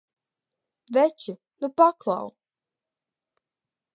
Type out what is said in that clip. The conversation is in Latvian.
Veči, nu paklau!